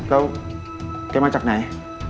แล้วแกมาจากไหน